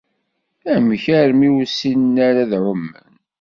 Amek armi ur ssinen ara ad ɛumen?